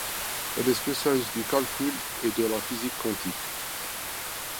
Elle est spécialiste du calcul et de la physique quantique.